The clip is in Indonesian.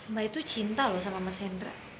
mbak itu cinta loh sama mas hendra